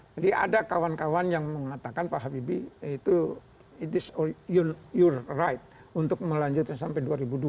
jadi ada kawan kawan yang mengatakan pak habibie itu it is your right untuk melanjutkan sampai dua ribu dua